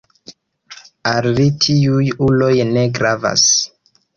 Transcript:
Al li tiuj uloj ne gravas.